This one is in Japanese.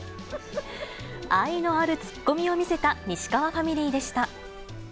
愛のある突っ込みを見せた、西川ファミリーでした。